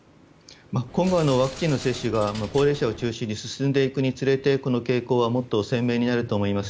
今後はワクチンの接種が高齢者を中心に進んでいくにつれて、この傾向はもっと鮮明になると思います。